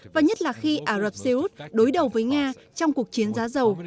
và nhất là khi ả rập xê út đối đầu với nga trong cuộc chiến giá dầu